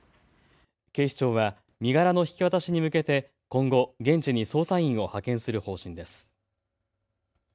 警視庁は身柄の引き渡しに向けて今後、現地に捜査員を派遣する方針です。